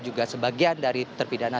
juga sebagian dari terpidana